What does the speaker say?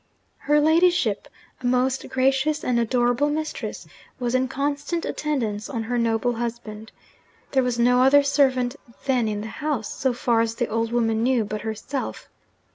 Her ladyship, 'a most gracious and adorable mistress,' was in constant attendance on her noble husband. There was no other servant then in the house (so far as the old woman knew) but herself.